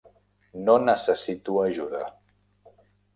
No necessito ajuda!